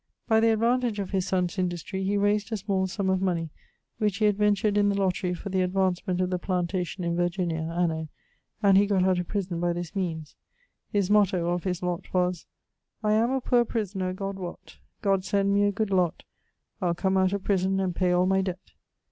By the advantage of his sonne's industry, he raysed a small summe of money, which he adventured in the lottery for the advancement of the plantation in Virginia, anno ... and he gott out of prison by this meanes. His motto (of his lott) was, 'I am a poor prisoner, God wott, God send me a good lott, I'le come out of prison, and pay all my debt.'